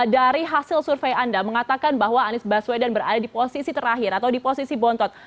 dari hasil survei anda mengatakan bahwa anies baswedan berada di posisi terakhir atau di posisi bontot